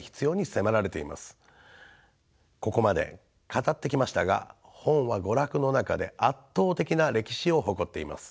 ここまで語ってきましたが本は娯楽の中で圧倒的な歴史を誇っています。